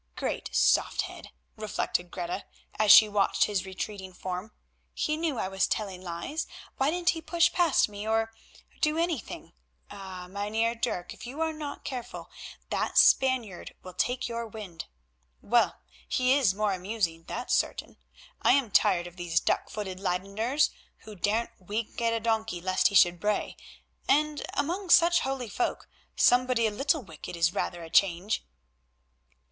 "Great soft head," reflected Greta, as she watched his retreating form, "he knew I was telling lies, why didn't he push past me, or—do anything. Ah! Mynheer Dirk, if you are not careful that Spaniard will take your wind. Well, he is more amusing, that's certain. I am tired of these duck footed Leydeners, who daren't wink at a donkey lest he should bray, and among such holy folk somebody a little wicked is rather a change."